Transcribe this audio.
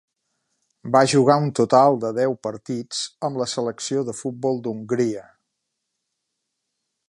Va jugar un total de deu partits amb la selecció de futbol d'Hongria.